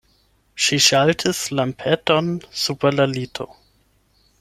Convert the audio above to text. Ŝi ŝaltis lampeton super la lito.